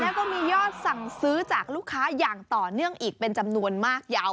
แล้วก็มียอดสั่งซื้อจากลูกค้าอย่างต่อเนื่องอีกเป็นจำนวนมากยาว